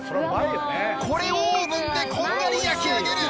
これをオーブンでこんがり焼き上げる。